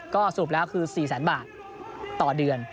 ก็สรุปแล้วคือ๔แสนบาทต่อเดือน